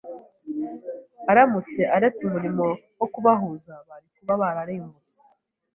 aramutse aretse umurimo wo kubahuza, bari kuba bararimbutse.